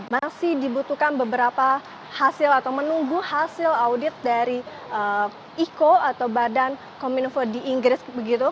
masih dibutuhkan beberapa hasil atau menunggu hasil audit dari iko atau badan kominfo di inggris